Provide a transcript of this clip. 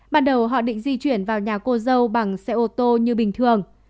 ban đầu họ định di chuyển vào nhà cô dâu bằng xe ô tô như bình thường